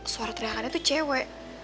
suara teriakannya tuh cewek